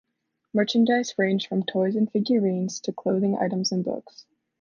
Merchandise ranged from toys and figurines to clothing items and books.